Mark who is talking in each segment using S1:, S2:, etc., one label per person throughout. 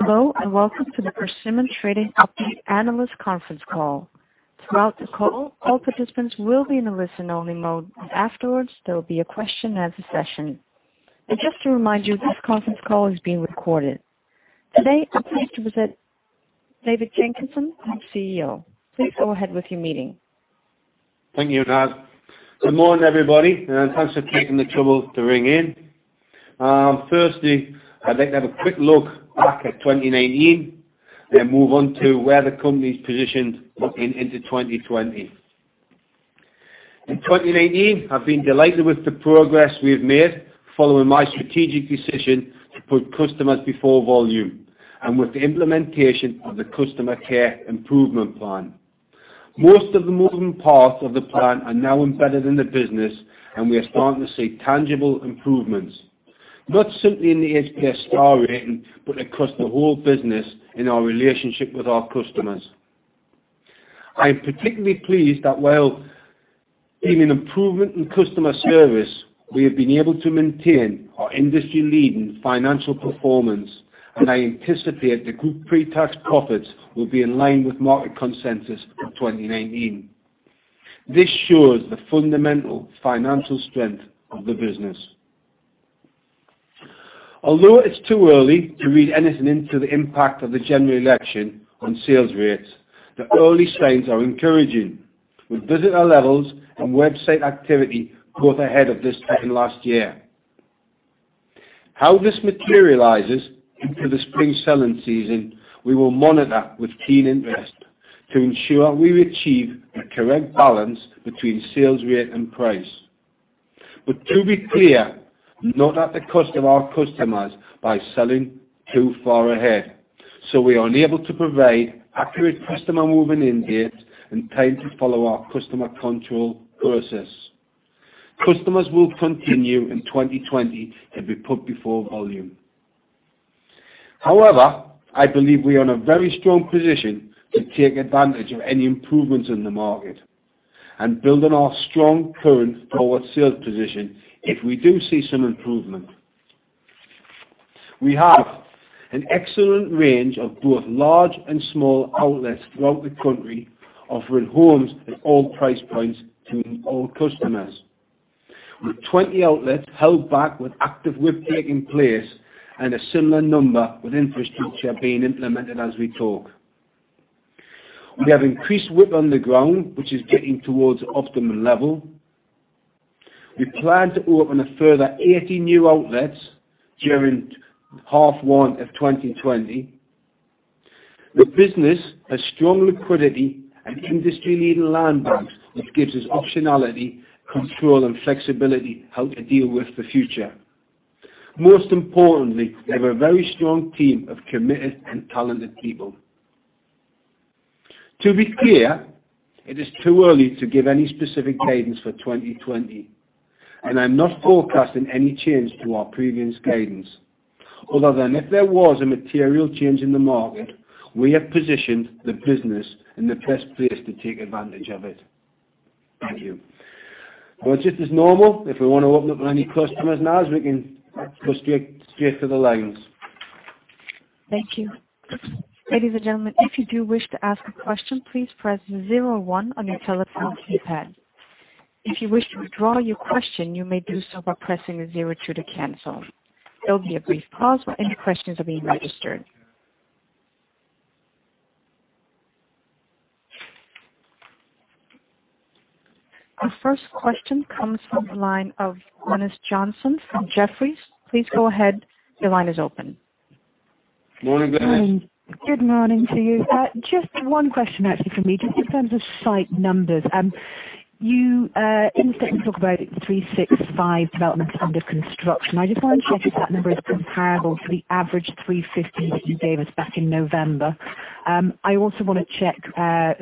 S1: Hello, welcome to the Persimmon Trading Update Analyst Conference Call. Throughout the call, all participants will be in a listen-only mode. Afterwards, there will be a question and answer session. Just to remind you, this conference call is being recorded. Today, I'm pleased to present David Jenkinson, our CEO. Please go ahead with your meeting.
S2: Thank you, Naz. Good morning, everybody, and thanks for taking the trouble to ring in. I'd like to have a quick look back at 2019 then move on to where the company's positioned looking into 2020. In 2019, I've been delighted with the progress we have made following my strategic decision to put customers before volume and with the implementation of the customer care improvement plan. Most of the moving parts of the plan are now embedded in the business, and we are starting to see tangible improvements, not simply in the HBF star rating, but across the whole business in our relationship with our customers. I am particularly pleased that while seeing an improvement in customer service, we have been able to maintain our industry-leading financial performance, and I anticipate the group pre-tax profits will be in line with market consensus for 2019. This shows the fundamental financial strength of the business. It's too early to read anything into the impact of the general election on sales rates, the early signs are encouraging, with visitor levels and website activity both ahead of this time last year. How this materializes into the spring selling season, we will monitor with keen interest to ensure we achieve a correct balance between sales rate and price. To be clear, not at the cost of our customers by selling too far ahead, so we are unable to provide accurate customer moving in dates in time to follow our customer control process. Customers will continue in 2020 to be put before volume. I believe we are in a very strong position to take advantage of any improvements in the market and building our strong current forward sales position if we do see some improvement. We have an excellent range of both large and small outlets throughout the country, offering homes at all price points to all customers. With 20 outlets held back with active whip taking place and a similar number with infrastructure being implemented as we talk. We have increased whip on the ground, which is getting towards optimum level. We plan to open a further 80 new outlets during half one of 2020. The business has strong liquidity and industry-leading land banks, which gives us optionality, control, and flexibility how to deal with the future. Most importantly, we have a very strong team of committed and talented people. To be clear, it is too early to give any specific guidance for 2020, and I'm not forecasting any change to our previous guidance. Other than if there was a material change in the market, we have positioned the business in the best place to take advantage of it. Thank you. Well, just as normal, if we want to open up for any questions now, we can go straight to the lines.
S1: Thank you. Ladies and gentlemen, if you do wish to ask a question, please press 01 on your telephone keypad. If you wish to withdraw your question, you may do so by pressing 02 to cancel. There'll be a brief pause while any questions are being registered. Our first question comes from the line of Glynis Johnson from Jefferies. Please go ahead. Your line is open.
S2: Morning, Glynis.
S3: Good morning to you. Just one question actually for me, just in terms of site numbers. You instantly talk about 365 developments under construction. I just want to check if that number is comparable to the average 350 you gave us back in November. I also want to check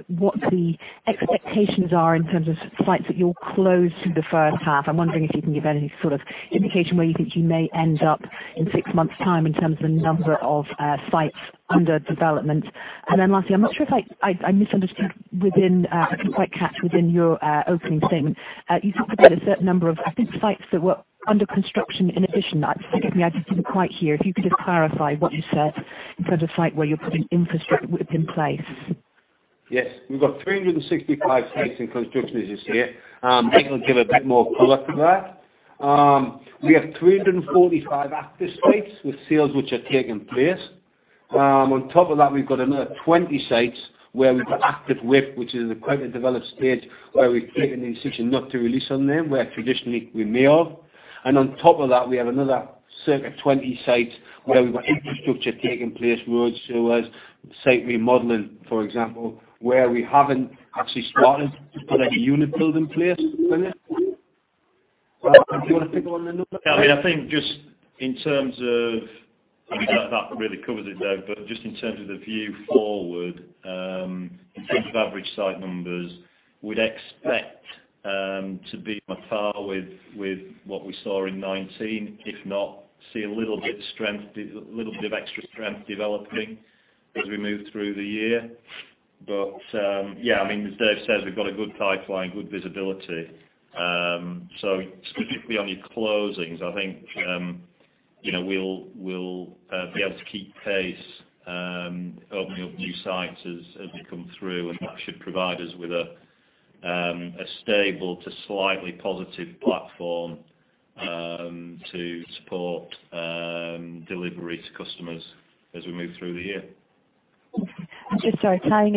S3: what the expectations are in terms of sites that you'll close through the first half. I'm wondering if you can give any sort of indication where you think you may end up in six months' time in terms of the number of sites under development. Lastly, I'm not sure if I misunderstood within, I couldn't quite catch within your opening statement. You talked about a certain number of, I think, sites that were under construction in addition. Forgive me, I just didn't quite hear. If you could just clarify what you said in terms of site where you're putting infrastructure within place?
S2: Yes. We've got 365 sites in construction, as you say. Nigel will give a bit more color to that. We have 345 active sites with sales which are taking place. On top of that, we've got another 20 sites where we've got active WIP, which is quite a developed stage where we've taken the decision not to release on them, where traditionally we may have. On top of that, we have another 20 sites where we've got infrastructure taking place, roads, sewers, site remodeling, for example, where we haven't actually started to put any unit build in place. Nigel, do you want to pick on the numbers?
S4: I think just in terms of I mean, that really covers it, though. Just in terms of the view forward, in terms of average site numbers, we'd expect to be on par with what we saw in 2019, if not see a little bit of extra strength developing as we move through the year. Yeah, as Dave says, we've got a good pipeline, good visibility. Specifically on your closings, I think we'll be able to keep pace, opening up new sites as we come through, and that should provide us with a stable to slightly positive platform to support delivery to customers as we move through the year.
S3: I'm just, sorry, trying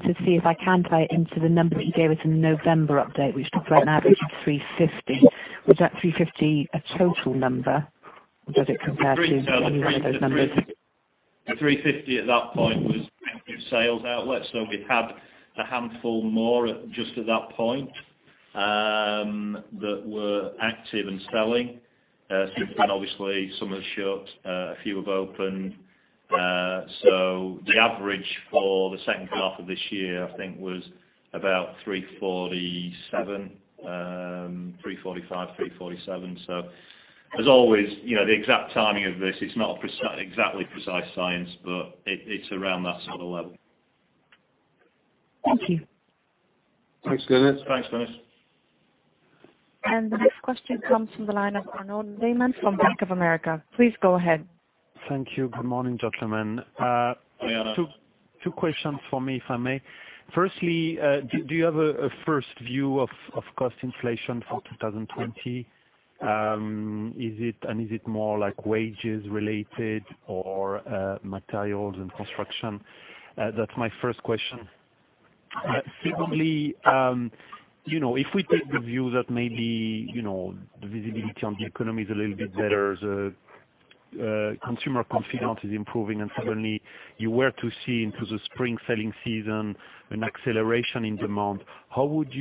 S3: to see if I can tie it into the number that you gave us in the November update, which talked about an average of 350. Was that 350 a total number? Was it compared to any one of those numbers?
S4: The 350 at that point was sales outlets. We had a handful more just at that point that were active and selling. Since then, obviously, some have shut, a few have opened. The average for the second half of this year, I think, was about 347, 345, 347. As always, the exact timing of this, it's not exactly precise science, but it's around that sort of level.
S3: Thank you.
S2: Thanks, Glynis.
S4: Thanks, Glynis.
S1: The next question comes from the line of Arnaud Lehmann from Bank of America. Please go ahead.
S5: Thank you. Good morning, gentlemen.
S4: Hi, Arnaud.
S5: Two questions for me, if I may. Firstly, do you have a first view of cost inflation for 2020? Is it more wages related or materials and construction? That's my first question. Secondly, if we take the view that maybe the visibility on the economy is a little bit better, the consumer confidence is improving, and suddenly you were to see into the spring selling season an acceleration in demand, how would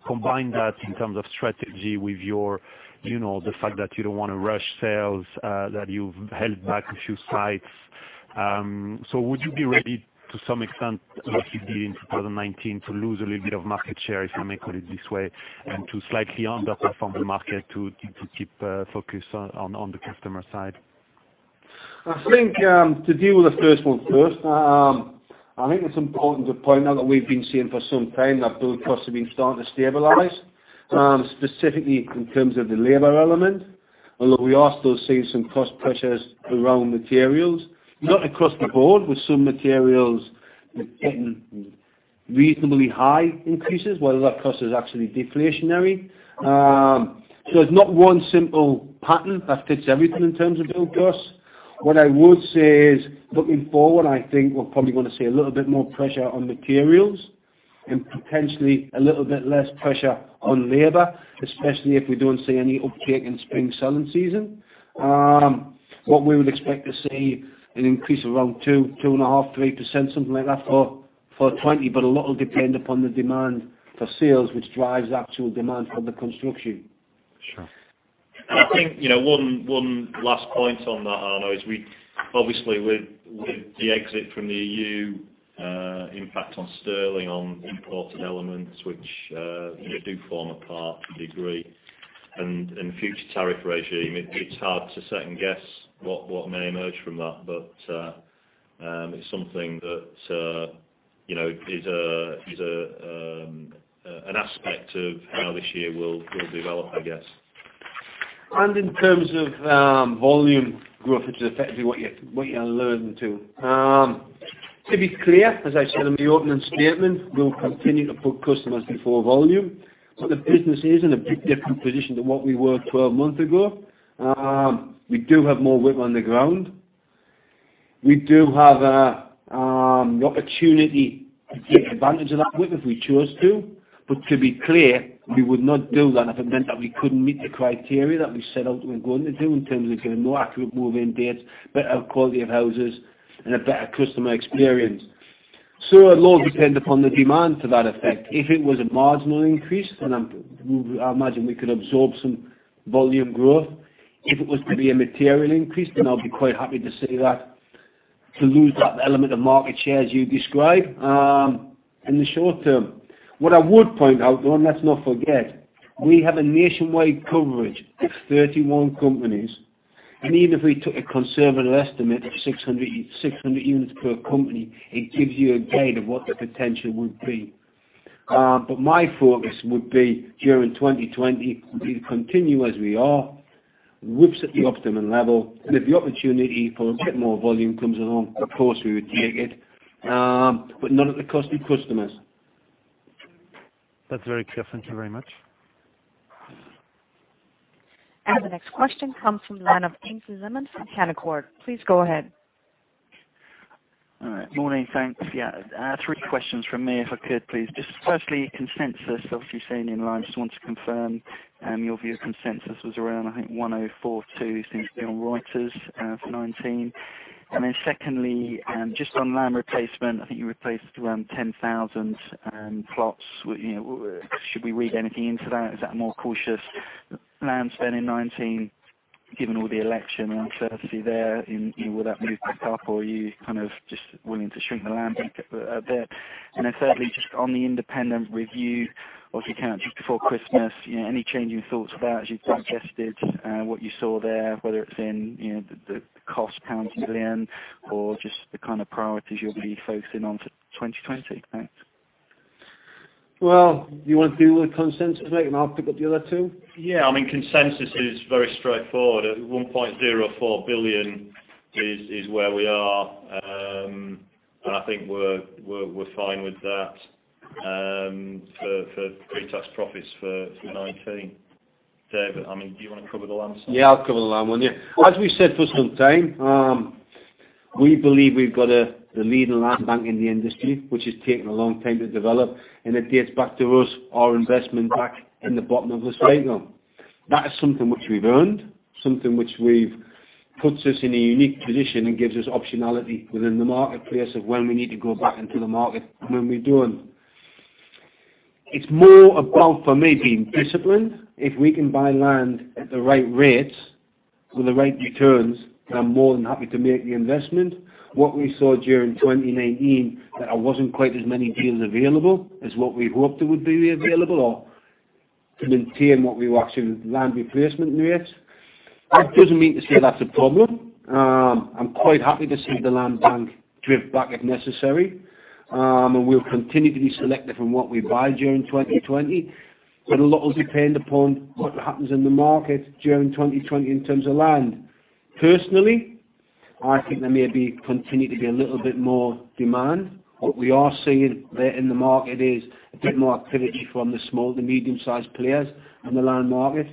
S5: you combine that in terms of strategy with the fact that you don't want to rush sales, that you've held back a few sites? Would you be ready to some extent, like you did in 2019, to lose a little bit of market share, if I may call it this way, and to slightly underperform the market to keep focus on the customer side?
S2: I think, to deal with the first one first. I think it's important to point out that we've been seeing for some time that build costs have been starting to stabilize, specifically in terms of the labor element. We are still seeing some cost pressures around materials. Not across the board, with some materials getting reasonably high increases, while other costs are actually deflationary. There's not one simple pattern that fits everything in terms of build cost. What I would say is, looking forward, I think we're probably going to see a little bit more pressure on materials and potentially a little bit less pressure on labor, especially if we don't see any uptake in spring selling season. What we would expect to see an increase of around 2%, 2.5%, 3%, something like that for 2020, but a lot will depend upon the demand for sales, which drives actual demand for the construction.
S5: Sure.
S4: I think one last point on that, Arnaud, is obviously with the exit from the EU impact on sterling, on imported elements, which do form a part to a degree, and future tariff regime, it's hard to second-guess what may emerge from that. It's something that is an aspect of how this year will develop, I guess.
S2: In terms of volume growth, which is effectively what you're alluding to. To be clear, as I said in the opening statement, we'll continue to put customers before volume. The business is in a big different position to what we were 12 months ago. We do have more work on the ground. We do have the opportunity to take advantage of that work if we chose to. To be clear, we would not do that if it meant that we couldn't meet the criteria that we set out we were going to do in terms of getting more accurate move-in dates, better quality of houses, and a better customer experience. A lot will depend upon the demand to that effect. If it was a marginal increase, I imagine we could absorb some volume growth. If it was to be a material increase, I'll be quite happy to say that, to lose that element of market share, as you describe, in the short term. What I would point out, though, let's not forget, we have a nationwide coverage of 31 companies, and even if we took a conservative estimate of 600 units per company, it gives you a gauge of what the potential would be. My focus would be during 2020, we continue as we are, ASP at the optimum level. If the opportunity for a bit more volume comes along, of course, we would take it. Not at the cost of customers.
S5: That's very clear. Thank you very much.
S1: The next question comes from the line of Ian Zimmerman from Canaccord. Please go ahead.
S6: All right. Morning. Thanks. Yeah. three questions from me, if I could, please. Just firstly, consensus, obviously you say in line. Just want to confirm your view of consensus was around, I think, 1,042 seems to be on Reuters for 2019. secondly, just on land replacement, I think you replaced around 10,000 plots. Should we read anything into that? Is that a more cautious land spend in 2019, given all the election uncertainty there? Will that move back up or are you just willing to shrink the land bank a bit? certainly just on the independent review, obviously, you counted just before Christmas. Any change in your thoughts about, as you digested what you saw there, whether it's in the cost pounds billion or just the kind of priorities you'll be focusing on for 2020? Thanks.
S2: Well, you want to deal with consensus, Mike, and I'll pick up the other two?
S4: Yeah, consensus is very straightforward. At 1.04 billion is where we are. I think we're fine with that for pre-tax profits for 2019. David, do you want to cover the land side?
S2: I'll cover the land one, yeah. As we've said for some time, we believe we've got the leading land bank in the industry, which has taken a long time to develop, and it dates back to us, our investment back in the bottom of the recession. That is something which we've earned, something which puts us in a unique position and gives us optionality within the marketplace of when we need to go back into the market and when we don't. It's more about, for me, being disciplined. If we can buy land at the right rates with the right returns, I'm more than happy to make the investment. What we saw during 2019, there wasn't quite as many deals available as what we hoped there would be available or to maintain what we were actually land replacement rates. That doesn't mean to say that's a problem. I'm quite happy to see the land bank drift back if necessary. We'll continue to be selective in what we buy during 2020. A lot will depend upon what happens in the market during 2020 in terms of land. Personally, I think there may continue to be a little bit more demand. What we are seeing there in the market is a bit more activity from the small to medium-sized players in the land market,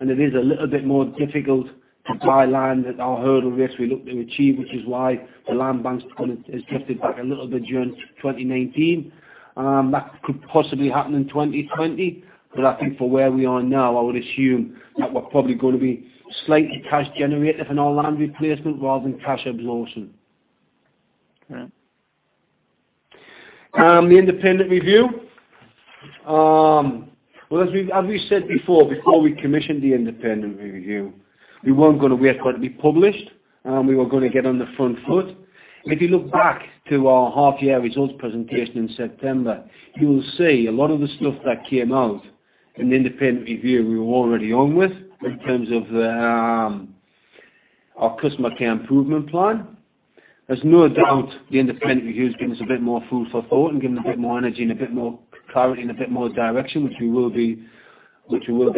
S2: and it is a little bit more difficult to buy land at our hurdle rates we look to achieve, which is why the land bank has drifted back a little bit during 2019. That could possibly happen in 2020. I think for where we are now, I would assume that we're probably going to be slightly cash generative in our land replacement rather than cash absorption.
S6: Right.
S2: The independent review. Well, as we've said before we commissioned the independent review, we weren't going to wait for it to be published. We were going to get on the front foot. If you look back to our half-year results presentation in September, you will see a lot of the stuff that came out in the independent review we were already on with in terms of our customer care improvement plan. There's no doubt the independent review has given us a bit more food for thought and given a bit more energy and a bit more clarity and a bit more direction, which we will be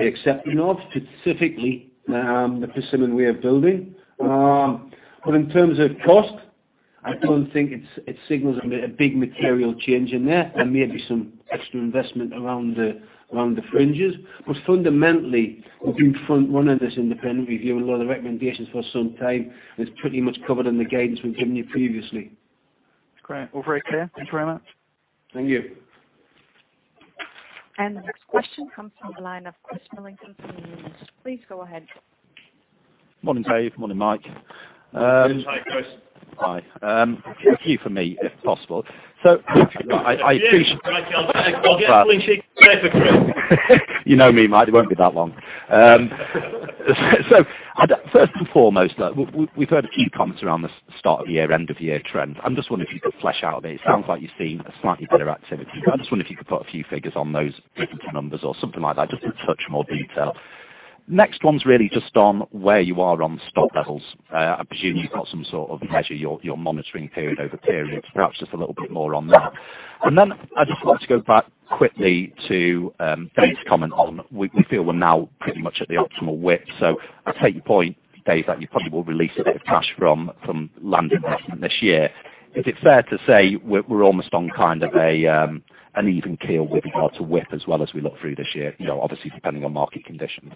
S2: accepting of, specifically the Persimmon way of building. In terms of cost, I don't think it signals a big material change in there. There may be some extra investment around the fringes. Fundamentally, we've been front running this independent review and a lot of the recommendations for some time. It's pretty much covered in the guidance we've given you previously.
S6: Great. All very clear. Thanks very much.
S2: Thank you.
S1: The next question comes from the line of Chris Millington from Numis. Please go ahead.
S7: Morning, Dave. Morning, Mike.
S4: Hi, Chris.
S7: Hi. A few from me, if possible.
S2: Yeah, I'll get Persimmon.
S7: You know me, Mike. It won't be that long. First and foremost, we've heard a few comments around the start of year, end of year trend. I'm just wondering if you could flesh out a bit. It sounds like you're seeing a slightly better activity. I just wonder if you could put a few figures on those different numbers or something like that, just a touch more detail. Next one's really just on where you are on stock levels. I presume you've got some sort of measure you're monitoring period over period. Perhaps just a little bit more on that. Then I'd just like to go back quickly to Dave's comment on we feel we're now pretty much at the optimal width. I take your point, Dave, that you probably will release a bit of cash from land investment this year. Is it fair to say we're almost on kind of an even keel with regard to width as well as we look through this year, obviously depending on market conditions?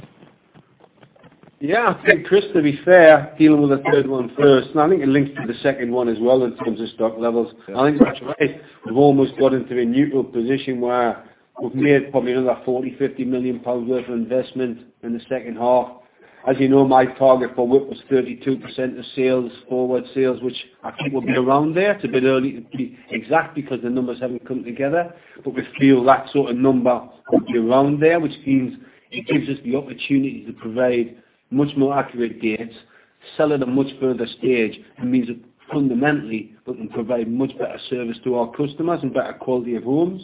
S2: I think, Chris, to be fair, dealing with the third one first, I think it links to the second one as well in terms of stock levels. I think you're right. We've almost got into a neutral position where we've made probably another 40 million, 50 million pounds worth of investment in the second half. As you know, my target for width was 32% of sales, forward sales, which I think we'll be around there. It's a bit early to be exact because the numbers haven't come together, we feel that sort of number will be around there, which means it gives us the opportunity to provide much more accurate dates, sell at a much further stage. It means that fundamentally, we can provide much better service to our customers and better quality of homes.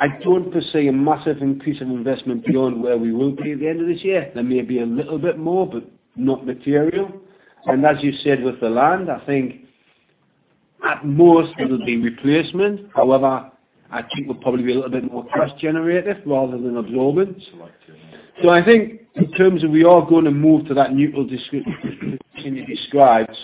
S2: I don't foresee a massive increase of investment beyond where we will be at the end of this year. There may be a little bit more, but not material. As you said, with the land, I think at most it'll be replacement. However, I think we'll probably be a little bit more cash generative rather than absorbent. I think in terms of we are going to move to that neutral description you described.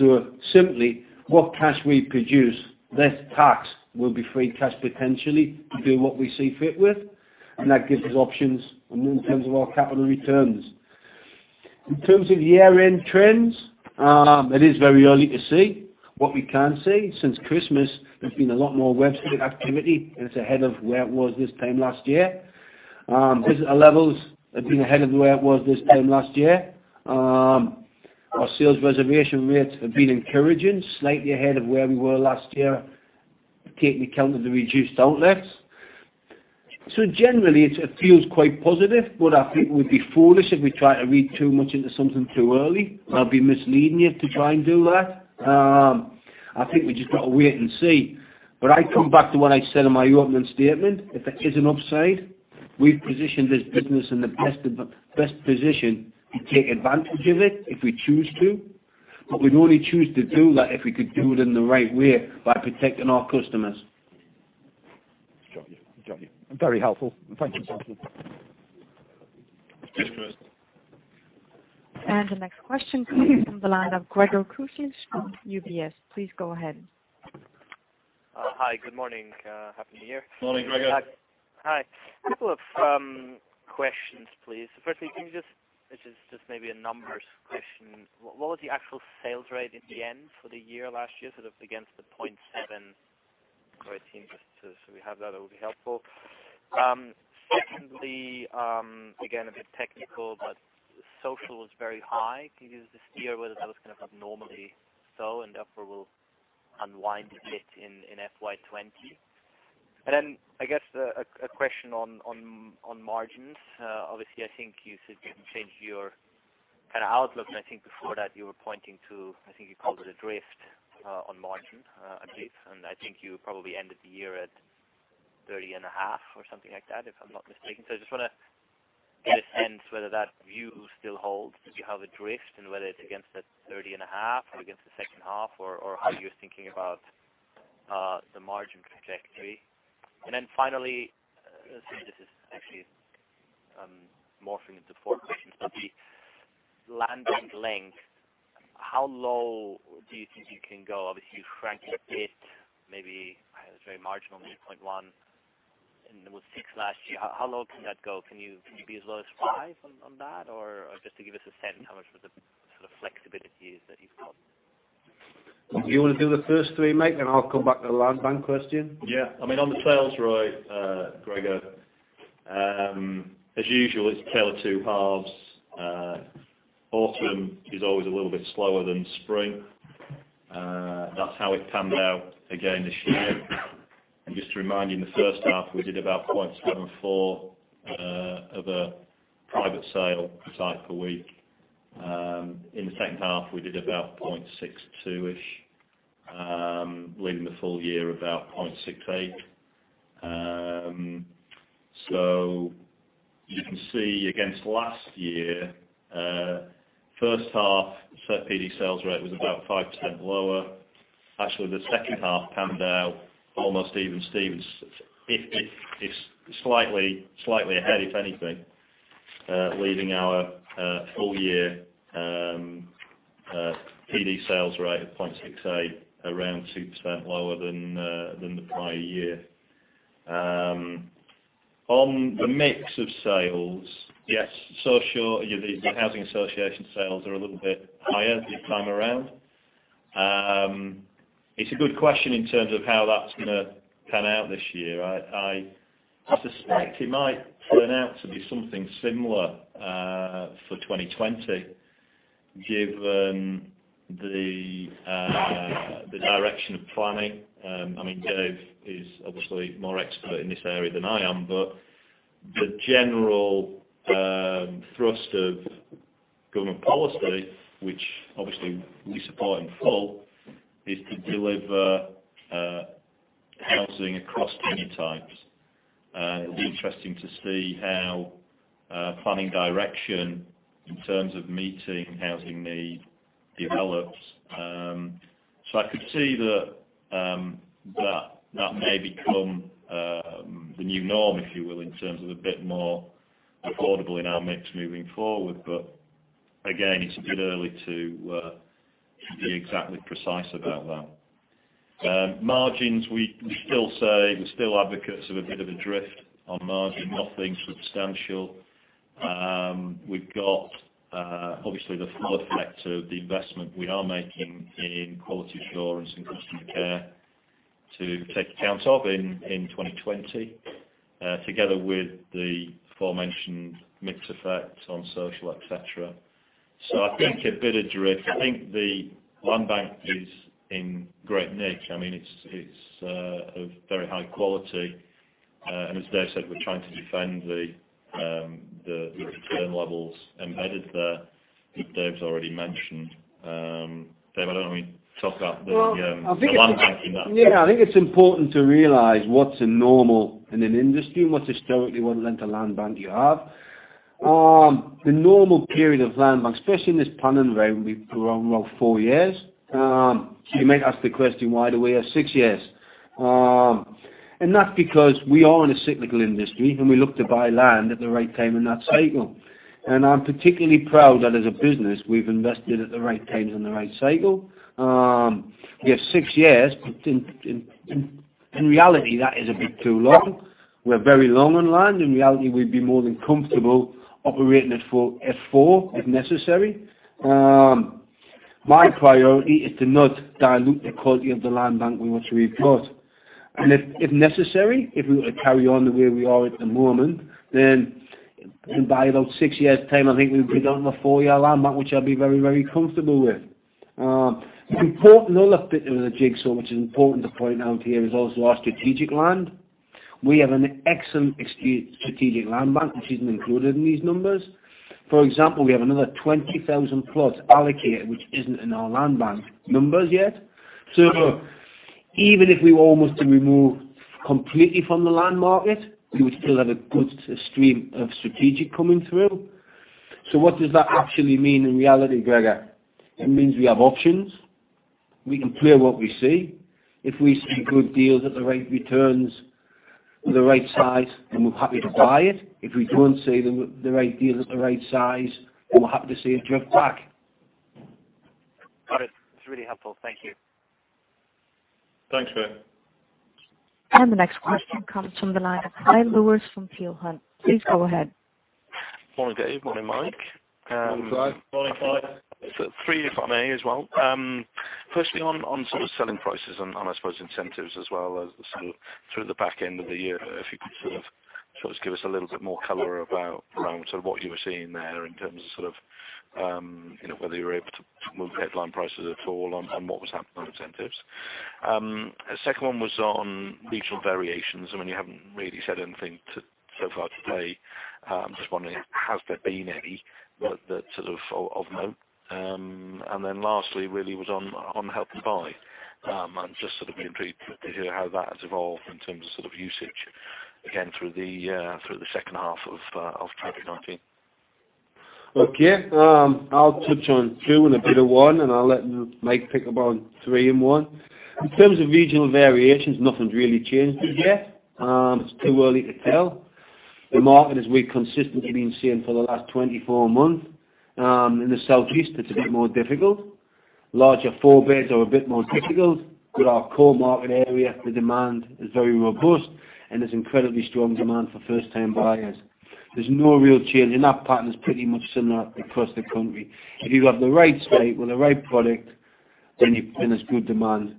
S2: Simply, what cash we produce less tax will be free cash potentially to do what we see fit with, and that gives us options in terms of our capital returns. In terms of year-end trends, it is very early to see. What we can see, since Christmas, there's been a lot more website activity, and it's ahead of where it was this time last year. Visitor levels have been ahead of where it was this time last year. Our sales reservation rates have been encouraging, slightly ahead of where we were last year, taking account of the reduced outlets. Generally, it feels quite positive, but I think it would be foolish if we try to read too much into something too early. I'd be misleading you to try and do that. I think we just got to wait and see. I come back to what I said in my opening statement. If there is an upside, we've positioned this business in the best position to take advantage of it if we choose to. We'd only choose to do that if we could do it in the right way by protecting our customers.
S7: Got you. Very helpful. Thank you. Yes, please.
S1: The next question comes from the line of Gregor Kuglitsch from UBS. Please go ahead.
S8: Hi. Good morning. Happy New Year.
S2: Morning, Gregor.
S8: Hi. A couple of questions, please. Firstly, this is just maybe a numbers question. What was the actual sales rate at the end for the year last year, sort of against the 0.7 for 2018? Just so we have that, it would be helpful. Secondly, again, a bit technical, but social was very high. Can you just steer whether that was kind of abnormally so and therefore will unwind a bit in FY 2020? Then, I guess, a question on margins. Obviously, I think you said you haven't changed your kind of outlook, and I think before that you were pointing to, I think you called it a drift on margin, I believe. I think you probably ended the year at 30.5 or something like that, if I'm not mistaken. I just want to get a sense whether that view still holds, if you have a drift and whether it's against that 30.5 or against the second half or how you're thinking about the margin trajectory. Finally, sorry, this is actually morphing into four questions. The land bank length, how low do you think you can go? Obviously, you franked it maybe, it was very marginal, maybe 0.1, and there was six last year. How low can that go? Can you be as low as five on that? Just to give us a sense how much of the sort of flexibility is that you've got.
S2: Do you want to do the first three, mate, then I'll come back to the land bank question.
S4: Yeah. On the sales, Greg, as usual, it's a tale of two halves. Autumn is always a little bit slower than spring. That's how it panned out again this year. Just to remind you, in the first half we did about 0.74 of a private sale site per week. In the second half, we did about 0.62-ish, leaving the full year about 0.68. You can see against last year, first half PD sales rate was about 5% lower. Actually, the second half panned out almost even Stevens. Slightly ahead, if anything. Leaving our full year PD sales rate at 0.68, around 2% lower than the prior year. On the mix of sales, yes, social, the housing association sales are a little bit higher this time around. It's a good question in terms of how that's going to pan out this year. I suspect it might pan out to be something similar for 2020, given the direction of planning. Dave is obviously more expert in this area than I am. The general thrust of government policy, which obviously we support in full, is to deliver housing across tenure types. It will be interesting to see how planning direction in terms of meeting housing need develops. I could see that may become the new norm, if you will, in terms of a bit more affordable in our mix moving forward. Again, it's a bit early to be exactly precise about that. Margins, we still say we're still advocates of a bit of a drift on margin, nothing substantial. We've got obviously the full effect of the investment we are making in quality assurance and customer care to take account of in 2020, together with the aforementioned mix effect on social, et cetera. I think a bit of drift. I think the land bank is in great nick. It's of very high quality. As Dave said, we're trying to defend the return levels embedded there that Dave's already mentioned. Dave, I don't know if you want me to talk about the land banking that-
S2: Yeah. I think it's important to realize what's a normal in an industry and what's historically what length of land bank you have. The normal period of land bank, especially in this planning round, will be around four years. You may ask the question, why do we have six years? That's because we are in a cyclical industry, and we look to buy land at the right time in that cycle. I'm particularly proud that as a business, we've invested at the right times in the right cycle. We have six years, in reality, that is a bit too long. We are very long on land. In reality, we'd be more than comfortable operating it for four, if necessary. My priority is to not dilute the quality of the land bank we've got. If necessary, if we were to carry on the way we are at the moment, by about six years' time, I think we'll be down to a four-year land bank, which I'll be very, very comfortable with. An important other bit of the jigsaw, which is important to point out here, is also our strategic land. We have an excellent strategic land bank, which isn't included in these numbers. For example, we have another 20,000 plot allocated, which isn't in our land bank numbers yet. Even if we were almost to remove completely from the land market, we would still have a good stream of strategic coming through. What does that actually mean in reality, Gregor? It means we have options. We can play what we see. If we see good deals at the right returns or the right size, then we're happy to buy it. If we don't see the right deal at the right size, then we're happy to see it drift back.
S8: Got it. It's really helpful. Thank you.
S4: Thanks, Greg.
S1: The next question comes from the line of Clyde Lewis from Peel Hunt. Please go ahead.
S9: Morning, Dave. Morning, Mike.
S2: Morning, Clyde.
S4: Morning, Clyde.
S9: Three, if I may, as well. Firstly, on sort of selling prices and I suppose incentives as well as sort of through the back end of the year. If you could sort of give us a little bit more color about sort of what you were seeing there in terms of sort of whether you were able to move headline prices at all and what was happening on incentives. Second one was on regional variations. I mean, you haven't really said anything so far today. I'm just wondering, has there been any that sort of note? Lastly, really was on Help to Buy and just sort of been intrigued to hear how that has evolved in terms of sort of usage, again, through the second half of 2019.
S2: Okay. I'll touch on two and a bit of one, and I'll let Mike pick up on three and one. In terms of regional variations, nothing's really changed as yet. It's too early to tell. The market, as we consistently been seeing for the last 24 months, in the Southeast, it's a bit more difficult. Larger four beds are a bit more difficult. Our core market area, the demand is very robust, and there's incredibly strong demand for first-time buyers. There's no real change, and that pattern is pretty much similar across the country. If you have the right site with the right product, then there's good demand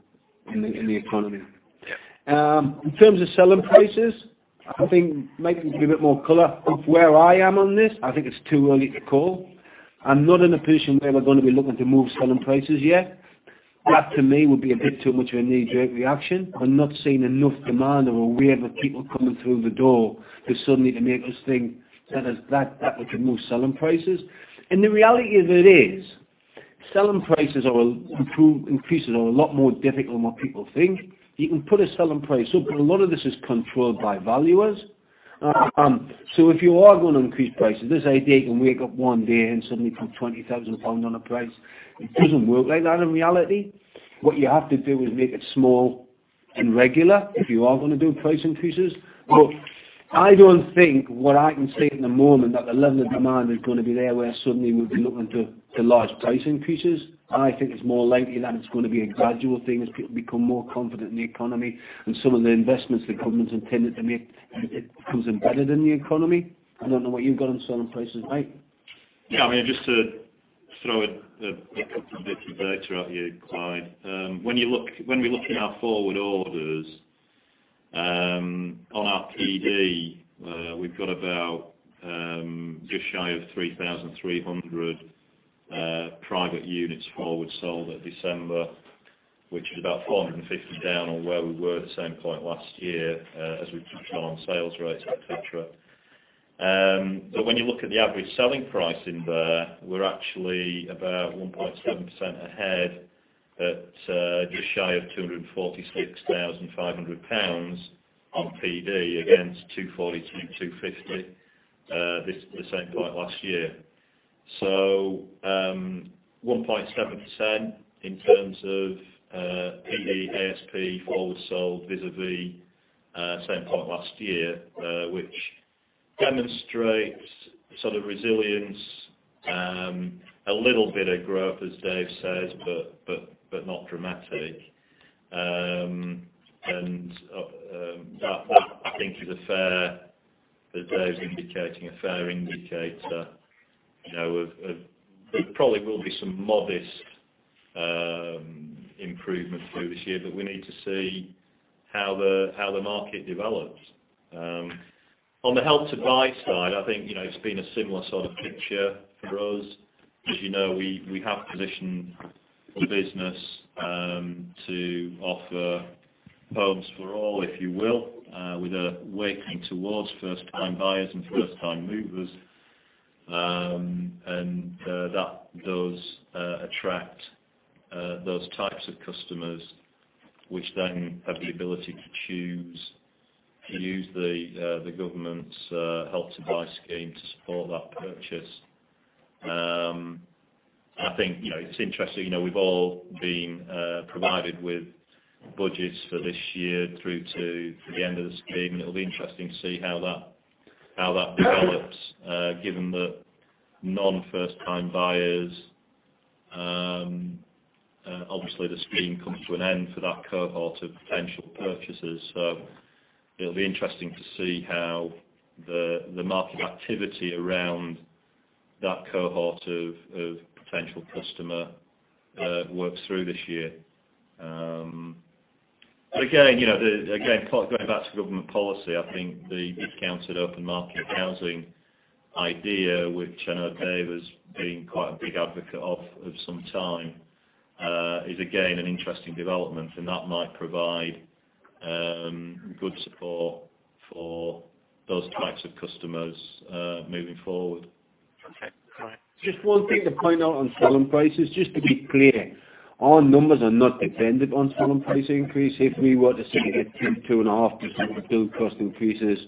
S2: in the economy.
S9: Yeah.
S2: In terms of selling prices, I think Mike can give a bit more color of where I am on this. I think it's too early to call. I'm not in a position where we're going to be looking to move selling prices yet. That, to me, would be a bit too much of a knee-jerk reaction. I've not seen enough demand or a wave of people coming through the door just suddenly to make us think that we can move selling prices. The reality of it is, selling prices or increases are a lot more difficult than what people think. You can put a selling price up, but a lot of this is controlled by valuers. If you are going to increase prices, this idea you can wake up one day and suddenly put 20,000 pounds on a price, it doesn't work like that in reality. What you have to do is make it small and regular if you are going to do price increases. I don't think what I can say at the moment that the level of demand is going to be there where suddenly we'll be looking to large price increases. I think it's more likely that it's going to be a gradual thing as people become more confident in the economy and some of the investments the government's intended to make, it becomes embedded in the economy. I don't know what you've got on selling prices, Mike.
S4: Yeah. I mean, just to throw a couple of bits of data at you, Clyde. When we look in our forward orders, on our PD, we've got about just shy of 3,300 private units forward sold at December, which is about 450 down on where we were at the same point last year, as we touched on sales rates et cetera. When you look at the average selling price in there, we're actually about 1.7% ahead at just shy of 246,500 pounds on PD against 242,250, the same point last year. 1.7% in terms of PD ASP forward sold vis-a-vis same point last year, which demonstrates sort of resilience, a little bit of growth, as Dave says, but not dramatic. That I think is a fair, that David's indicating a fair indicator, of there probably will be some modest improvement through this year, but we need to see how the market develops. On the Help to Buy side, I think it's been a similar sort of picture for us. As you know, we have positioned the business to offer homes for all, if you will, with a weighting towards first-time buyers and first-time movers. Those attract those types of customers which then have the ability to choose to use the government's Help to Buy scheme to support that purchase. I think it's interesting, we've all been provided with budgets for this year through to the end of the scheme. It'll be interesting to see how that develops, given the non-first-time buyers. Obviously, the scheme comes to an end for that cohort of potential purchasers. It'll be interesting to see how the market activity around that cohort of potential customer works through this year. Again, going back to government policy, I think the Discounted Open Market Value idea, which I know David has been quite a big advocate of some time, is again, an interesting development, and that might provide good support for those types of customers moving forward.
S9: Okay. All right.
S2: Just one thing to point out on selling prices, just to be clear, our numbers are not dependent on selling price increase. If we were to see a 2.5% build cost increases,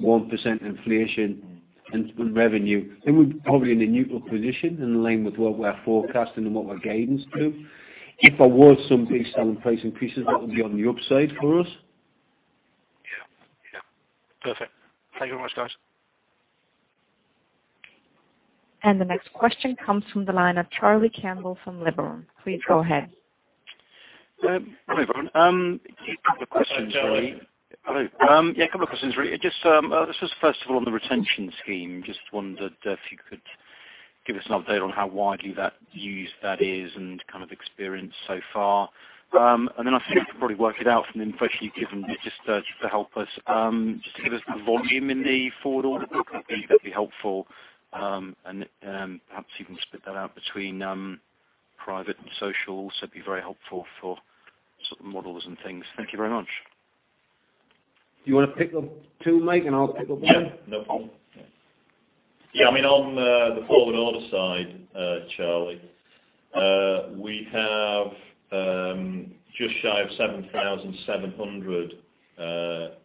S2: 1% inflation and revenue, we're probably in a neutral position in line with what we're forecasting and what we're guiding to. If I was somebody selling price increases, that would be on the upside for us.
S9: Yeah. Perfect. Thank you very much, guys.
S1: The next question comes from the line of Charlie Campbell from Liberum. Please go ahead.
S10: Hi, everyone. A couple of questions, really.
S4: Hello, Charlie.
S10: Hello. A couple of questions, really. This was first of all on the retention scheme. Just wondered if you could give us an update on how widely used that is and experience so far. Then I think you could probably work it out from the information you've given, just to help us, just to give us the volume in the forward orders, that'd be helpful. Perhaps you can split that out between private and social. Also, it'd be very helpful for models and things. Thank you very much.
S2: Do you want to pick up two, Mike, and I'll pick up the other?
S4: Yeah, no problem. On the forward order side, Charlie, we have just shy of 7,700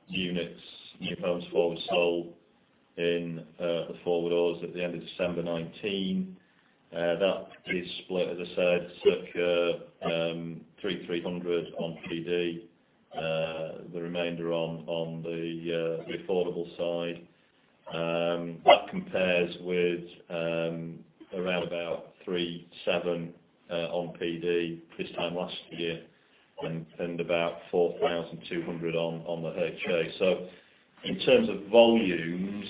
S4: units new homes forward sold in the forward orders at the end of December 2019. That is split, as I said, circa 3,300 on PD, the remainder on the affordable side. That compares with around about 37 on PD this time last year and about 4,200 on the HCA. In terms of volumes,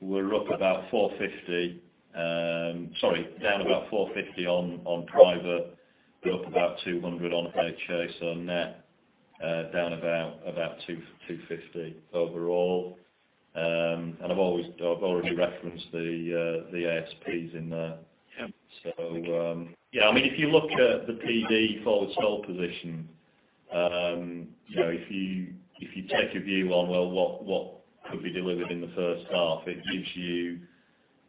S4: we're up about 450. Sorry, down about 450 on private, we're up about 200 on HCA. Net down about 250 overall. I've already referenced the ASPs in there.
S10: Yeah.
S4: If you look at the PD forward sell position, if you take a view on, well, what could be delivered in the first half, it gives you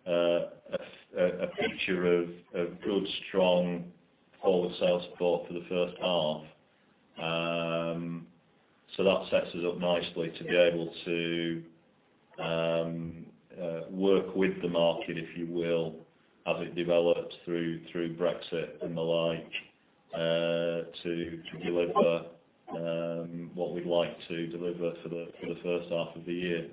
S4: a picture of good, strong forward sales support for the first half. That sets us up nicely to be able to work with the market, if you will, as it develops through Brexit and the like, to deliver what we'd like to deliver for the first half of the year.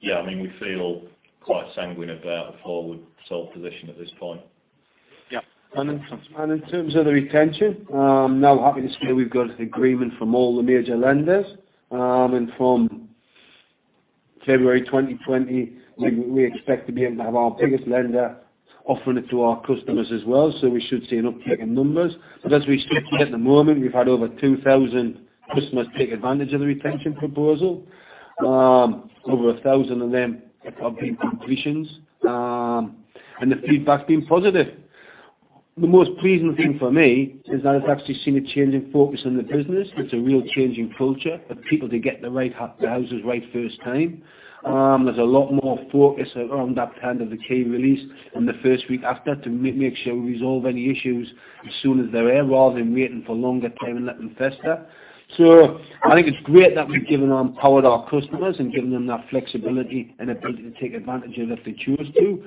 S4: We feel quite sanguine about the forward sell position at this point.
S10: Yeah.
S2: In terms of the retention, I'm now happy to say we've got agreement from all the major lenders. From February 2020, we expect to be able to have our biggest lender offering it to our customers as well. We should see an uptick in numbers. As we speak here at the moment, we've had over 2,000 customers take advantage of the retention proposal. Over 1,000 of them have been completions. The feedback's been positive. The most pleasing thing for me is that I've actually seen a change in focus in the business. It's a real change in culture for people to get the houses right first time. There's a lot more focus around that kind of the key release in the first week after to make sure we resolve any issues as soon as they're there rather than waiting for longer time and let them fester. I think it's great that we've given empowered our customers and given them that flexibility and ability to take advantage of it if they choose to.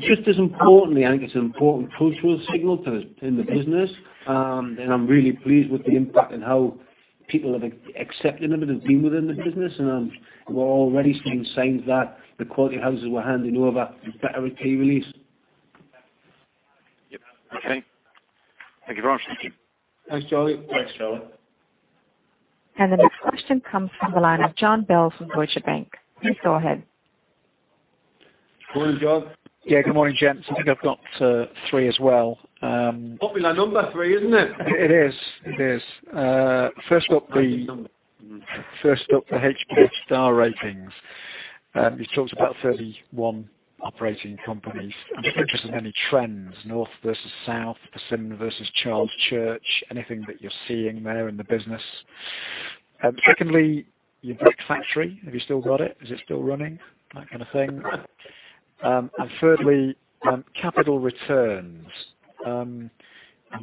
S2: Just as importantly, I think it's an important cultural signal in the business, and I'm really pleased with the impact and how people have accepted them and been within the business. We're already seeing signs that the quality of houses we're handing over is better at key release.
S10: Okay. Thank you very much.
S2: Thanks, Charlie.
S4: Thanks, Charlie.
S1: The next question comes from the line of Jon Bell from Deutsche Bank. Please go ahead.
S2: Morning, Jon.
S11: Yeah, good morning, gents. I think I've got three as well.
S2: Popular number, three, isn't it?
S11: It is.
S2: Lucky number.
S11: First up, the HBF star ratings. You talked about 31 operating companies. I'm just interested in any trends, north versus south, Persimmon versus Charles Church, anything that you're seeing there in the business. Secondly, your brick factory, have you still got it? Is it still running? That kind of thing. Thirdly, capital returns. I'm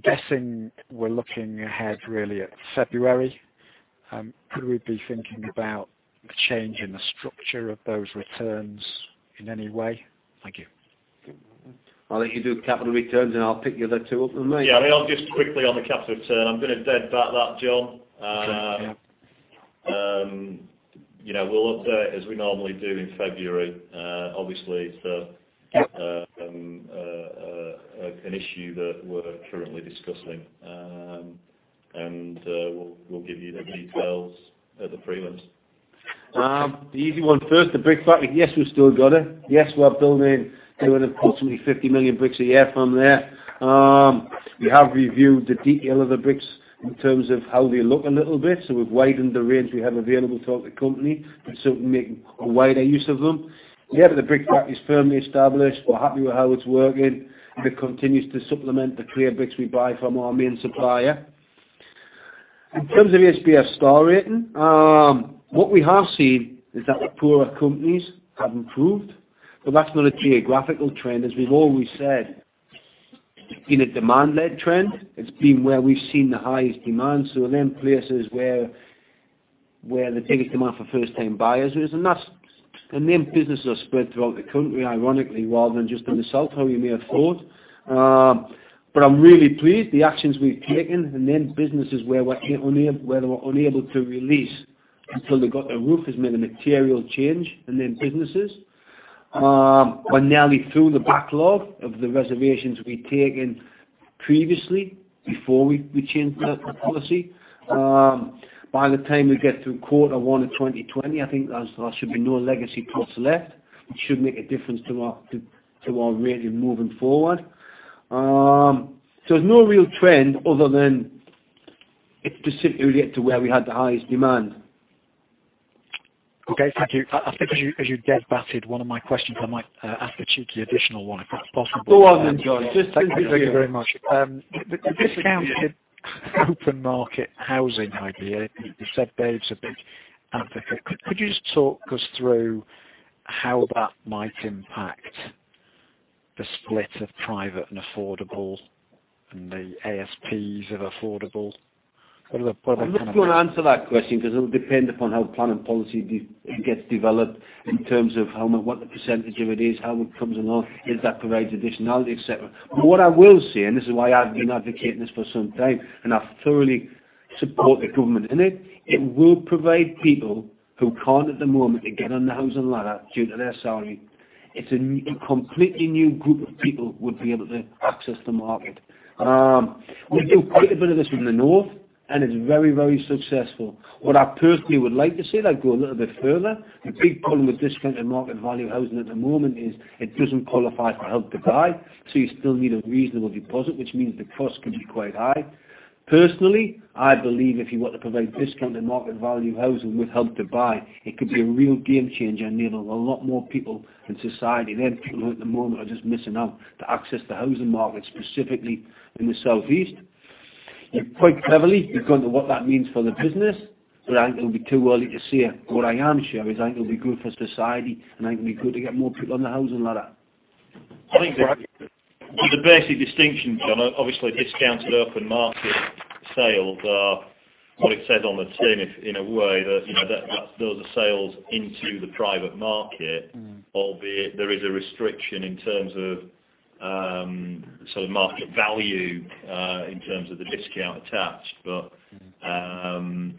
S11: guessing we're looking ahead really at February. Could we be thinking about a change in the structure of those returns in any way? Thank you.
S2: I'll let you do capital returns, and I'll pick the other two up with Mike.
S4: Yeah. I'll just quickly on the capital return. I'm going to deadbat that, John.
S11: Okay.
S4: We'll update as we normally do in February. Obviously, it's an issue that we're currently discussing. We'll give you the details at the prelims.
S2: The easy one first, the brick factory. Yes, we've still got it. Yes, we are building approximately 50 million bricks a year from there. We have reviewed the detail of the bricks in terms of how they look a little bit. We've widened the range we have available throughout the company, we make a wider use of them. Yeah, the brick factory is firmly established. We're happy with how it's working. It continues to supplement the clear bricks we buy from our main supplier. In terms of HBF star rating, what we have seen is that the poorer companies have improved, that's not a geographical trend. As we've always said, it's been a demand-led trend. It's been where we've seen the highest demand, them places where the biggest demand for first-time buyers is. Them businesses are spread throughout the country, ironically, rather than just in the South how you may have thought. I'm really pleased. The actions we've taken in them businesses where they were unable to release until they got a roof has made a material change in them businesses. We're nearly through the backlog of the reservations we'd taken previously before we changed the policy. By the time we get to quarter one of 2020, I think there should be no legacy plots left, which should make a difference to our rating moving forward. There's no real trend other than it's simply related to where we had the highest demand.
S11: Okay, thank you. I think as you pre-empted one of my questions, I might ask a cheeky additional one, if that's possible.
S2: Go on then, Jon.
S11: Thank you very much. The Discounted Open Market Value idea, you said Dave is a big advocate. Could you just talk us through how that might impact the split of private and affordable and the ASPs of affordable?
S2: I'm not going to answer that question because it'll depend upon how plan and policy gets developed in terms of what the % of it is, how it comes along. If that provides additionality, et cetera. What I will say, and this is why I've been advocating this for some time, and I thoroughly support the government in it will provide people who can't at the moment get on the housing ladder due to their salary. It's a completely new group of people would be able to access the market. We do quite a bit of this in the North, and it's very successful. What I personally would like to see that go a little bit further, the big problem with Discounted Open Market Value housing at the moment is it doesn't qualify for Help to Buy, so you still need a reasonable deposit, which means the cost can be quite high. Personally, I believe if you want to provide Discounted Open Market Value housing with Help to Buy, it could be a real game changer and enable a lot more people in society, them people who at the moment are just missing out, to access the housing market, specifically in the Southeast. Quite cleverly, regardless of what that means for the business, but I think it'll be too early to say. What I am sure is I think it'll be good for society, and I think it'll be good to get more people on the housing ladder.
S4: I think the basic distinction, Jon, obviously Discounted Open Market sales are what it says on the tin, in a way. Those are sales into the private market, albeit there is a restriction in terms of market value in terms of the discount attached.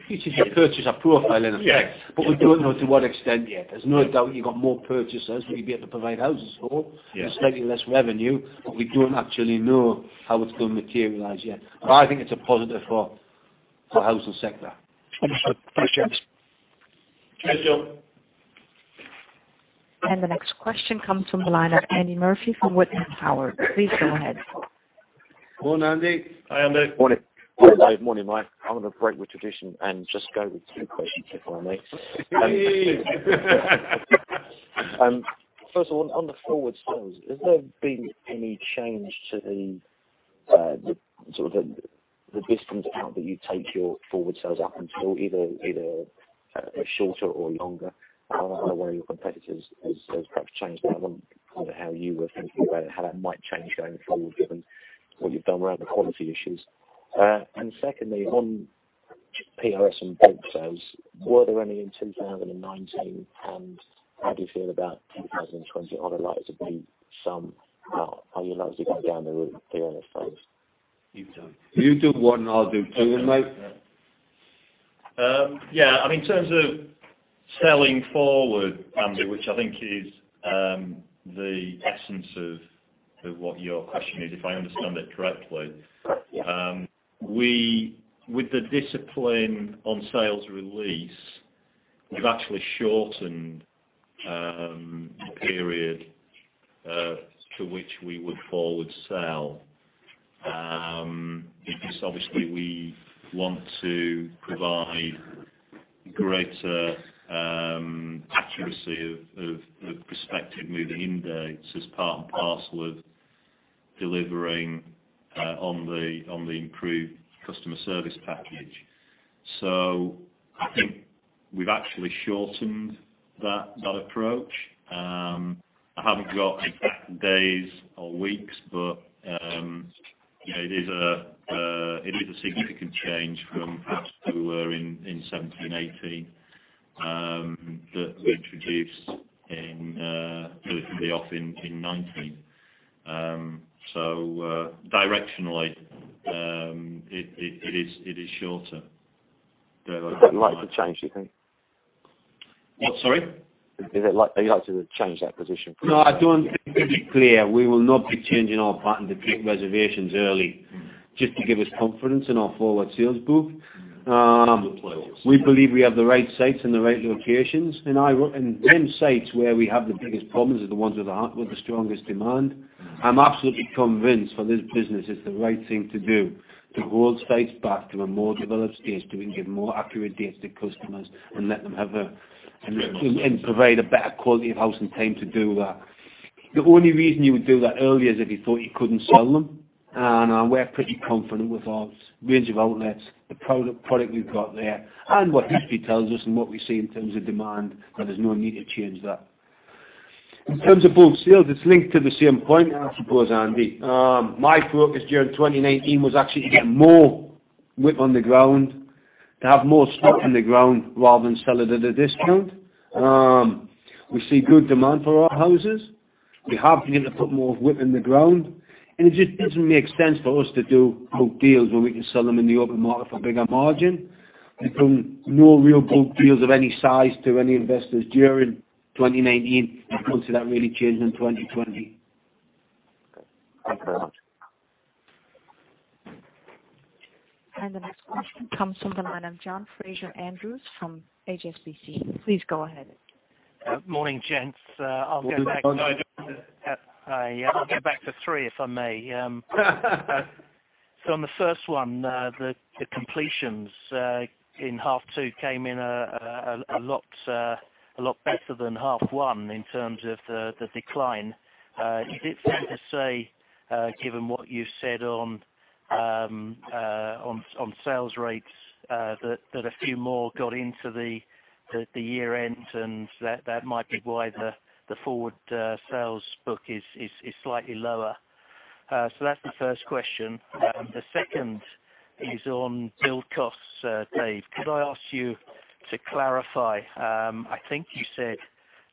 S2: It should purchase our profile in effect.
S4: Yes.
S2: We don't know to what extent yet. There's no doubt you got more purchasers who you'd be able to provide houses for.
S4: Yeah
S2: Slightly less revenue, but we don't actually know how it's going to materialize yet. I think it's a positive for the housing sector.
S11: Understood. Thanks, gents.
S4: Thanks, Jon.
S1: The next question comes from the line of Andy Murphy from Whitman Howard. Please go ahead.
S2: Morning, Andy.
S4: Hi, Andy.
S12: Morning. Hi, Dave. Morning, Mike. I'm going to break with tradition and just go with two questions, if I may. First of all, on the forward sales, has there been any change to the distance out that you take your forward sales out until, either shorter or longer? I know one of your competitors has perhaps changed, but I wonder how you were thinking about how that might change going forward given what you've done around the quality issues. Secondly, on PRS and build sales, were they only in 2019, and how do you feel about 2020? Are you likely to go down the route of PRS sales?
S2: You do one, and I'll do two then, Mike.
S4: Yeah. In terms of selling forward, Andy, which I think is the essence of what your question is, if I understand it correctly.
S12: Correct. Yeah.
S4: With the discipline on sales release, we've actually shortened the period to which we would forward sell. Obviously we want to provide greater accuracy of prospective moving in dates as part and parcel of delivering on the improved customer service package. I think we've actually shortened that approach. I haven't got exact days or weeks, but it is a significant change from perhaps to where in 2017, 2018, that we delivered it off in 2019. Directionally, it is shorter.
S12: Is that likely to change, do you think?
S4: What, sorry? Is it like they like to change that position?
S2: No, to be clear, we will not be changing our pattern to book reservations early just to give us confidence in our forward sales book. We believe we have the right sites in the right locations. Sites where we have the biggest problems are the ones with the strongest demand. I'm absolutely convinced for this business, it's the right thing to do, to hold sites back to a more developed stage, so we can give more accurate dates to customers and provide a better quality of house and time to do that. The only reason you would do that earlier is if you thought you couldn't sell them. We're pretty confident with our range of outlets, the product we've got there, and what history tells us and what we see in terms of demand, that there's no need to change that. In terms of bulk sales, it's linked to the same point, I suppose, Andy. My focus during 2019 was actually to get more WIP on the ground, to have more stock on the ground rather than sell it at a discount. We see good demand for our houses. We have been able to put more WIP in the ground, and it just doesn't make sense for us to do bulk deals when we can sell them in the open market for bigger margin. We've done no real bulk deals of any size to any investors during 2019. I can't see that really changing in 2020.
S12: Thank you very much.
S1: The next question comes from the line of John Fraser-Andrews from HSBC. Please go ahead.
S13: Morning, gents.
S2: Good morning, Jon.
S13: I'll get back to three, if I may. On the first one, the completions in half two came in a lot better than half one in terms of the decline. Is it fair to say, given what you've said on sales rates, that a few more got into the year-end and that might be why the forward order book is slightly lower? That's the first question. The second is on build costs. Dave, could I ask you to clarify? I think you said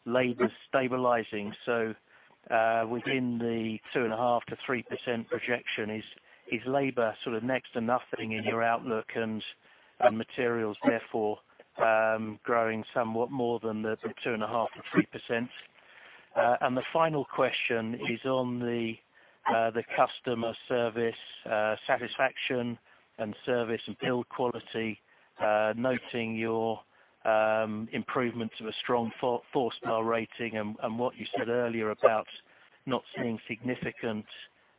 S13: labor stabilizing. Within the 2.5%-3% projection, is labor sort of next to nothing in your outlook and materials therefore growing somewhat more than the 2.5%-3%? The final question is on the customer service satisfaction and service and build quality, noting your improvements of a strong four-star rating and what you said earlier about not seeing significant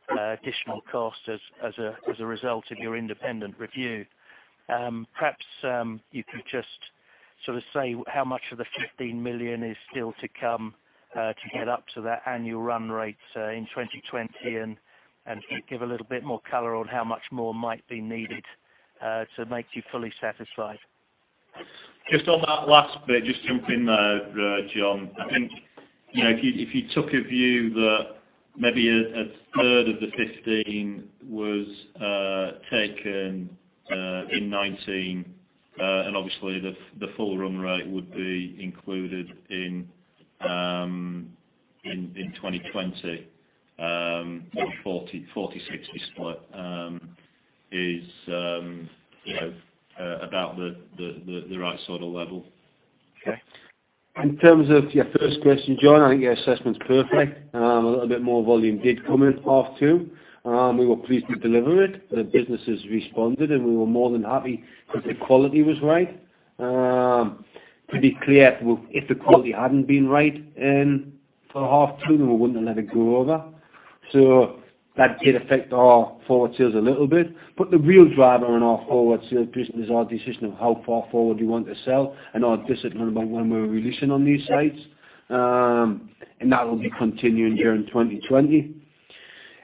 S13: additional cost as a result of your independent review. Perhaps you could just sort of say how much of the 15 million is still to come to get up to that annual run rate in 2020 and give a little bit more color on how much more might be needed to make you fully satisfied.
S4: Just on that last bit, just jump in there, John. I think if you took a view that maybe a third of the 15 was taken in 2019, and obviously the full run rate would be included in 2020, 40-60 split is about the right sort of level.
S13: Okay.
S2: In terms of your first question, John, I think your assessment's perfect. A little bit more volume did come in half two. We were pleased to deliver it. The businesses responded, and we were more than happy because the quality was right. To be clear, if the quality hadn't been right for half two, then we wouldn't have let it go over. That did affect our forward sales a little bit. The real driver in our forward sales business is our decision of how far forward we want to sell and our discipline about when we're releasing on these sites. That will be continuing during 2020.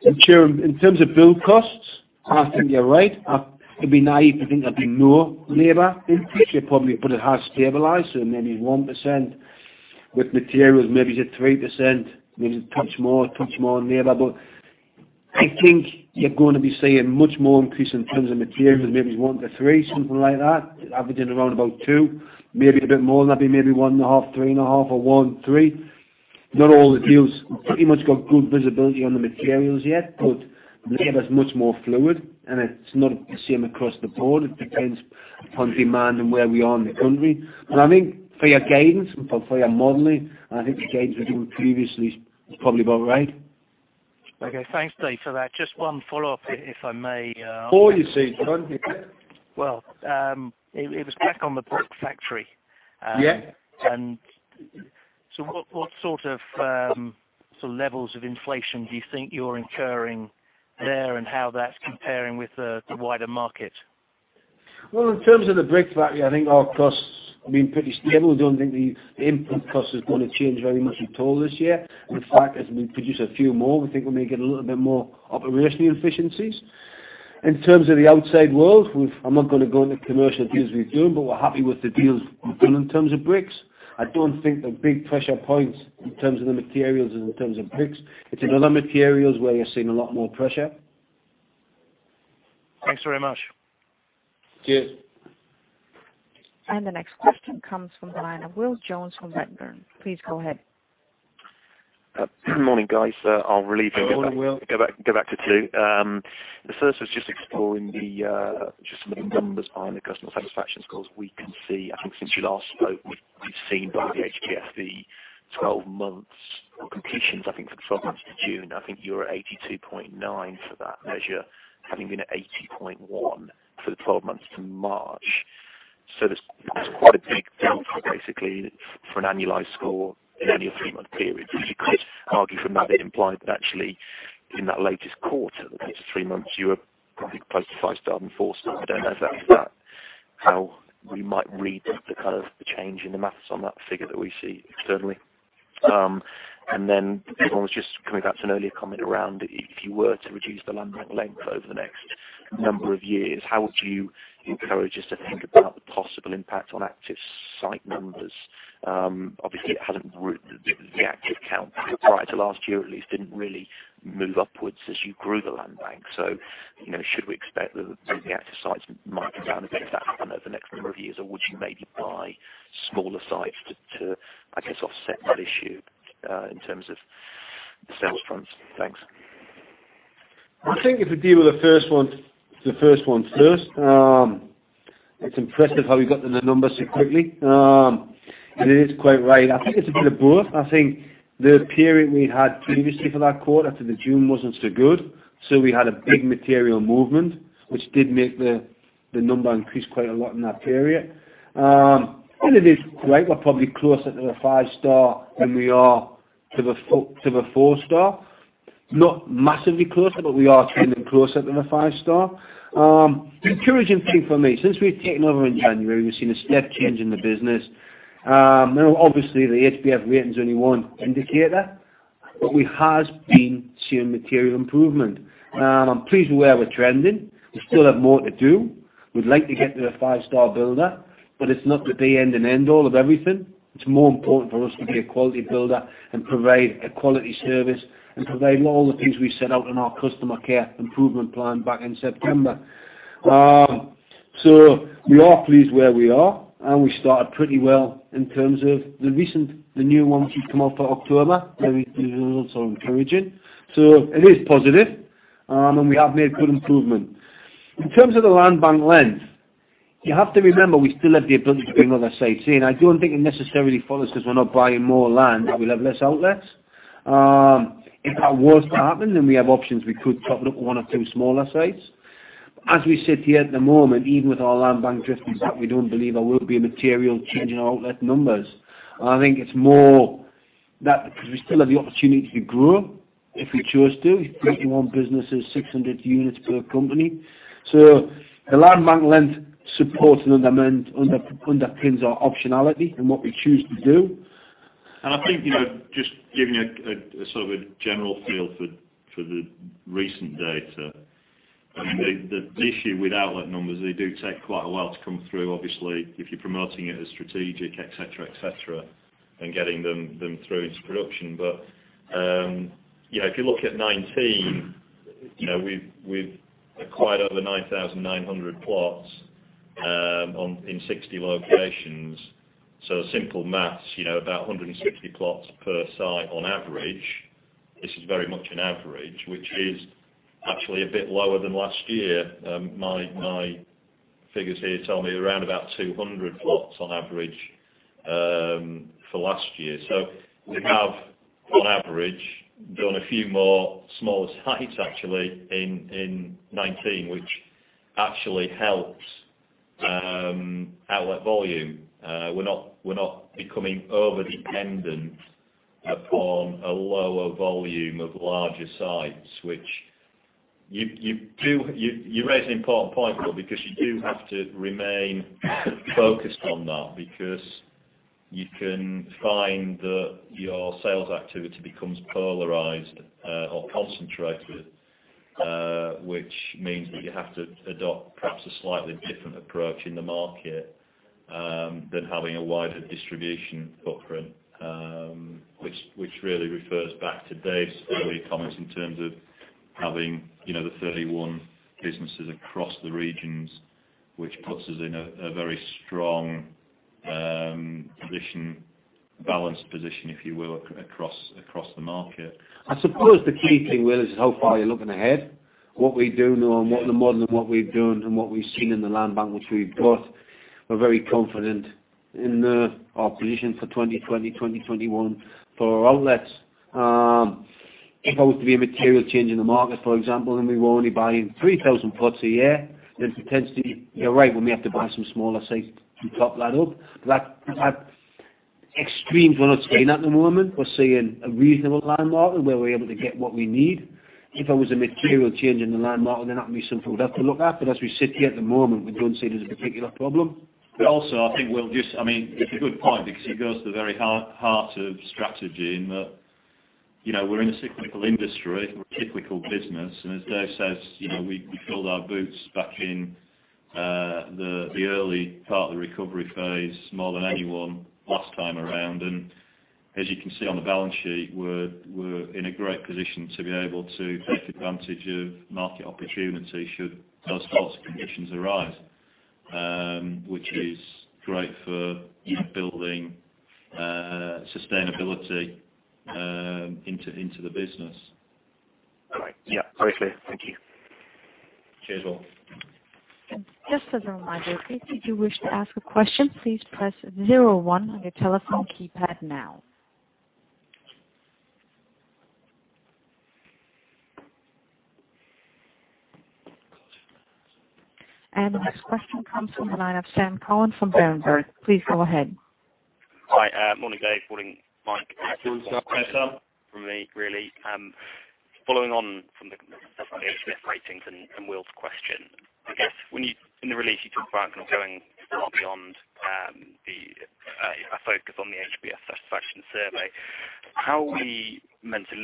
S2: In terms of build costs, I think you're right. It'd be naive to think there'd be no labor increase, probably, but it has stabilized, so maybe 1%. With materials, maybe it's at 3%, maybe touch more on labor. I think you're going to be seeing much more increase in terms of materials, maybe one to three, something like that. Averaging around about two, maybe a bit more than that, be maybe one and a half, three and a half, or one, three. Not all the deals pretty much got good visibility on the materials yet, but labor is much more fluid, and it's not the same across the board. It depends upon demand and where we are in the country. I think for your guidance and for your modeling, I think the guidance we've given previously is probably about right.
S13: Okay. Thanks, Dave, for that. Just one follow-up, if I may.
S2: Sure you can, John. You got it.
S13: Well, it was back on the brick factory.
S2: Yeah.
S13: What sort of levels of inflation do you think you're incurring there and how that's comparing with the wider market?
S2: In terms of the brick factory, I think our costs have been pretty stable. I don't think the input cost is going to change very much at all this year. In fact, as we produce a few more, we think we may get a little bit more operational efficiencies. In terms of the outside world, I'm not going to go into commercial deals we've done, but we're happy with the deals we've done in terms of bricks. I don't think the big pressure points in terms of the materials is in terms of bricks. It's in other materials where you're seeing a lot more pressure.
S13: Thanks very much.
S2: Cheers.
S1: The next question comes from the line of Will Jones from Redburn. Please go ahead.
S14: Morning, guys.
S2: Morning, Will.
S14: go back to two. The first was just exploring just some of the numbers behind the customer satisfaction scores. We can see, I think since we last spoke, we've seen by the HBF the 12 months completions, I think, for the 12 months to June, I think you were at 82.9 for that measure, having been at 80.1 for the 12 months to March. There's quite a big jump, basically, for an annualized score in only a 3-month period. You could argue from that it implies that actually in that latest quarter, the latest 3 months, you were probably closer to 5-star than 4-star. We don't know exactly that, how we might read the change in the maths on that figure that we see externally. The other one was just coming back to an earlier comment around if you were to reduce the land bank length over the next number of years, how would you encourage us to think about the possible impact on active site numbers? Obviously, the active count prior to last year at least didn't really move upwards as you grew the land bank. Should we expect that maybe the active sites might come down a bit if that happened over the next number of years? Would you maybe buy smaller sites to, I guess, offset that issue, in terms of the sales fronts? Thanks.
S2: I think if we deal with the first ones first. It's impressive how you got to the numbers so quickly. It is quite right. I think it's a bit of both. I think the period we had previously for that quarter to the June wasn't so good. We had a big material movement, which did make the number increase quite a lot in that period. It is right. We're probably closer to the five star than we are to the four star. Not massively closer, but we are trending closer to the five star. The encouraging thing for me, since we've taken over in January, we've seen a step change in the business. Obviously the HBF rating is only one indicator, but we have been seeing material improvement. I'm pleased with where we're trending. We still have more to do. We'd like to get to the five-star builder. It's not the be-end and end all of everything. It's more important for us to be a quality builder and provide a quality service and provide all the things we set out in our customer care improvement plan back in September. We are pleased where we are, and we started pretty well in terms of the recent, the new ones which come out for October. Very good results, encouraging. It is positive, and we have made good improvement. In terms of the land bank length, you have to remember, we still have the ability to bring other sites in. I don't think it necessarily follows because we're not buying more land, that we'll have less outlets. If that was to happen, we have options. We could top it up with one or two smaller sites. As we sit here at the moment, even with our land bank drifting back, we don't believe there will be a material change in outlet numbers. I think it's more that because we still have the opportunity to grow if we choose to. 31 businesses, 600 units per company. The land bank length supports and underpins our optionality and what we choose to do.
S4: I think, just giving a sort of a general feel for the recent data. The issue with outlet numbers, they do take quite a while to come through, obviously, if you're promoting it as strategic, et cetera, and getting them through into production. If you look at 2019, we've acquired over 9,900 plots in 60 locations. Simple maths, about 160 plots per site on average. This is very much an average, which is actually a bit lower than last year. My figures here tell me around about 200 plots on average for last year. We have, on average, done a few more smaller sites actually in 2019, which actually helps outlet volume. We're not becoming over-dependent upon a lower volume of larger sites. You raise an important point, Will, because you do have to remain focused on that because you can find that your sales activity becomes polarized or concentrated. Which means that you have to adopt perhaps a slightly different approach in the market than having a wider distribution footprint. Which really refers back to Dave's early comments in terms of having the 31 businesses across the regions, which puts us in a very strong position, balanced position, if you will, across the market.
S2: I suppose the key thing, Will, is how far you're looking ahead. What we do know and what the model of what we've done and what we've seen in the land bank which we've got, we're very confident in our position for 2020, 2021 for our outlets. If there was to be a material change in the market, for example, and we were only buying 3,000 plots a year, then potentially, you're right, we may have to buy some smaller sites to top that up. That extreme, we're not seeing at the moment. We're seeing a reasonable land market where we're able to get what we need. If there was a material change in the land market, then that would be something we'd have to look at. As we sit here at the moment, we don't see it as a particular problem.
S4: Also, I think, it's a good point because it goes to the very heart of strategy in that we're in a cyclical industry, we're a cyclical business, and as Dave says, we filled our boots back in the early part of the recovery phase more than anyone last time around. As you can see on the balance sheet, we're in a great position to be able to take advantage of market opportunity should those sorts of conditions arise.
S2: Which is great for building sustainability into the business.
S14: All right. Yeah, perfectly. Thank you.
S2: Cheers, Will.
S1: Just as a reminder, if you do wish to ask a question, please press zero one on your telephone keypad now. The next question comes from the line of Sam Cullen from Berenberg. Please go ahead.
S15: Hi. Morning, Dave. Morning, Mike.
S2: Morning, Sam.
S15: From me, really. Following on from the HBF ratings and Will's question, I guess in the release you talk about going far beyond a focus on the HBF satisfaction survey. How are we meant to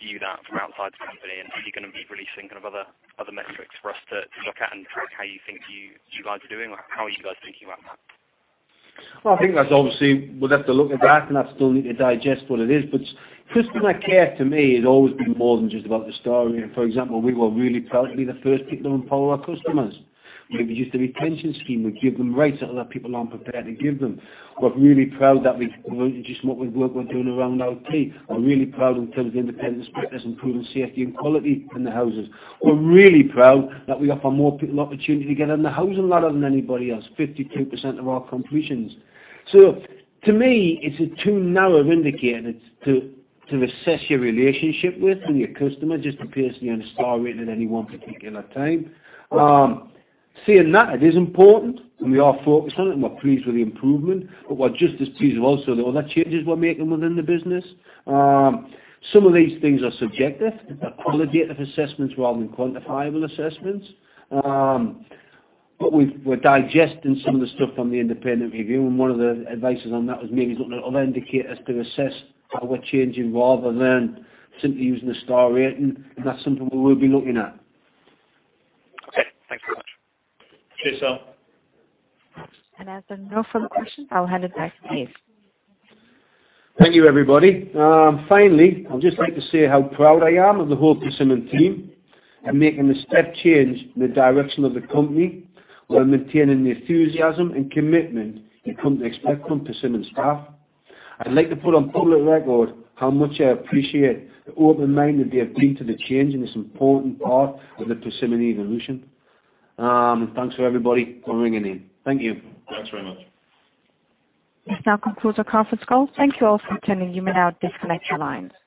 S15: view that from outside the company, and are you going to be releasing other metrics for us to look at and track how you think you guys are doing? How are you guys thinking about that?
S2: I think that obviously we'll have to look at that, and I still need to digest what it is. Customer care to me has always been more than just about the story. For example, we were really proud to be the first people to empower our customers. We've reduced the retention scheme. We give them rights that other people aren't prepared to give them. We're really proud of just what we work we're doing around OT. We're really proud in terms of independent practice, improving safety and quality in the houses. We're really proud that we offer more people opportunity to get on the housing ladder than anybody else, 52% of our completions. To me, it's too narrow of indicator to assess your relationship with and your customer, just based on a star rating at any one particular time. Saying that, it is important and we are focused on it, and we're pleased with the improvement. We're just as pleased with also the other changes we're making within the business. Some of these things are subjective, qualitative assessments rather than quantifiable assessments. We're digesting some of the stuff from the independent review, and one of the advices on that was maybe looking at other indicators to assess how we're changing rather than simply using a star rating, and that's something we will be looking at.
S15: Okay. Thank you very much.
S2: Cheers, Sam.
S1: As there are no further questions, I'll hand it back to Dave.
S2: Thank you, everybody. Finally, I'd just like to say how proud I am of the whole Persimmon team in making the step change in the direction of the company while maintaining the enthusiasm and commitment you've come to expect from Persimmon's staff. I'd like to put on public record how much I appreciate the open mind that they have been to the change in this important part of the Persimmon evolution. Thanks for everybody calling in. Thank you.
S14: Thanks very much.
S1: This now concludes our conference call. Thank you all for attending. You may now disconnect your lines.